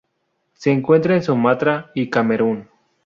Se encuentra en Sumatra y Camerún.